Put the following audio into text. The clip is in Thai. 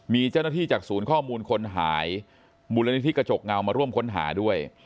มีเจ้าหน้าที่จากศูนย์ข้อมูลคนหายมูลนิธิกระจกเงามาร่วมค้นหาด้วย